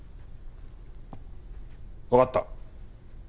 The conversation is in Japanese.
わかった。